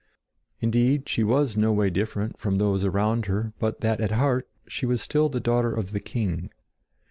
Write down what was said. Indeed, she was no way different from those around her but that at heart she was still the daughter of the king.